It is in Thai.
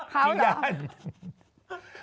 กลัวหรอ